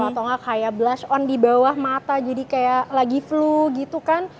atau enggak kayak blush on di bawah mata jadi kayak lagi flu gitu kan